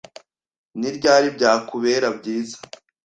Ni ryari byakubera byiza?